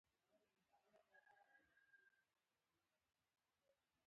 هر څوک په مزدلفه کې ازادي لري.